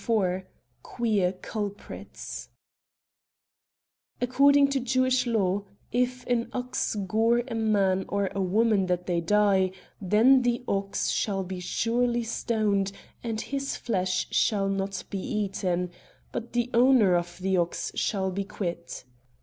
56 QUEER CULPRITS According to Jewish law, " If an ox gore a man or a woman that they die, then the ox shall be surely stoned, and his flesh shall not be eaten : but the owner of the ox shall be quit."